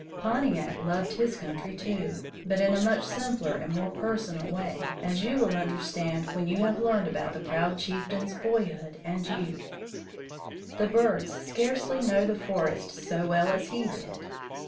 Pontiac loved his country, too, but in a much simpler and more personal way, as you will understand when you have learned about the proud chieftain's boyhood and youth. [Illustration: SQUAW WITH PAPPOOSE] The birds scarcely know the forest so well as he did.